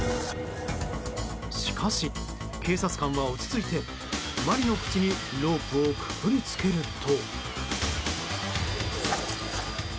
しかし、警察官は落ち着いてワニの口にロープをくくり付けると。